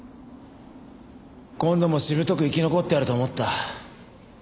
今度もしぶとく生き残ってやると思った。